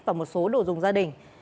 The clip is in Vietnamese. và một số đồ dùng gia đình